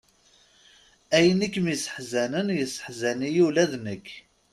Ayen i kem-yesseḥzanen, yesseḥzan-iyi ula d nekk.